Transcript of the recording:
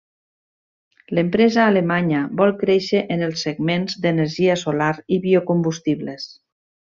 L'empresa alemanya vol créixer en els segments d'energia solar i biocombustibles.